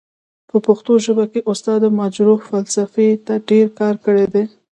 په پښتو ژبه کې استاد مجرح فلسفې ته ډير کار کړی دی.